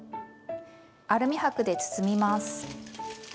アルミ箔で包みます。